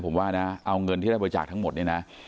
ผมว่านะเอาเงินที่ได้บริจาคทั้งหมดเนี่ยนะ